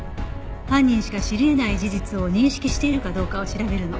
犯人しか知り得ない事実を認識しているかどうかを調べるの。